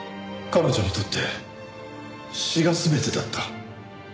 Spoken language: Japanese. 彼女にとって詩が全てだった。